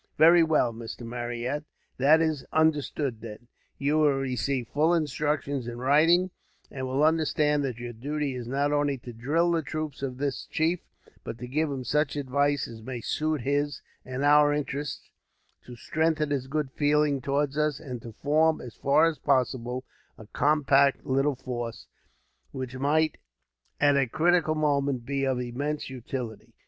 "Very well, Mr. Marryat, that is understood, then. You will receive full instructions in writing, and will understand that your duty is not only to drill the troops of this chief; but to give him such advice as may suit his and our interests; to strengthen his good feeling towards us; and to form, as far as possible, a compact little force which might, at a critical moment, be of immense utility.